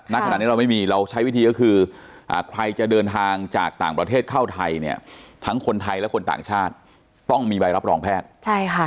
ณขณะนี้เราไม่มีเราใช้วิธีก็คือใครจะเดินทางจากต่างประเทศเข้าไทยเนี่ยทั้งคนไทยและคนต่างชาติต้องมีใบรับรองแพทย์ใช่ค่ะ